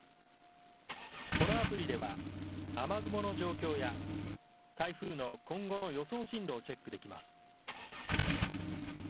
このアプリでは雨雲の状況や台風の今後の予想進路をチェックできます。